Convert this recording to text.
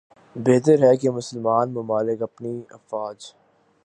بہتر ہے کہ مسلمان ممالک اپنی افواج